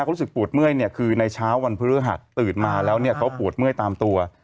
เขารู้สึกปวดเมื่อยเนี่ยคือในเช้าวันพฤหัสตื่นมาแล้วเนี่ยเขาปวดเมื่อยตามตัว